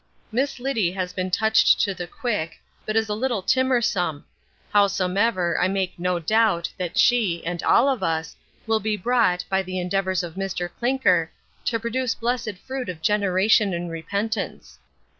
Miss Liddy has been touch'd to the quick, but is a little timorsome: howsomever, I make no doubt, but she, and all of us, will be brought, by the endeavours of Mr Clinker, to produce blessed fruit of generation and repentance.